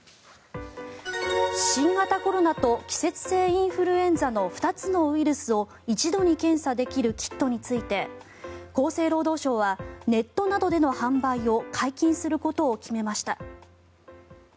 新型コロナと季節性インフルエンザの２つのウイルスを一度に検査できるキットについて厚生労働省はネットなどでの販売を解禁することを決めました。